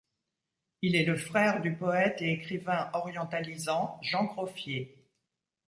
Il est le frère du poète et écrivain orientalisant Jean Groffier.